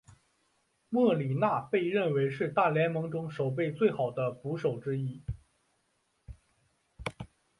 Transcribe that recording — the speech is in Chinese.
莫里纳被认为是大联盟中守备最好的捕手之一。